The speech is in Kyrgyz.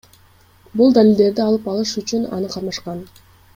Бул далилдерди алып алыш үчүн аны кармашкан.